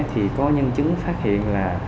thì có nhân chứng phát hiện là